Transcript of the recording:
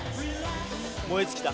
燃え尽きた？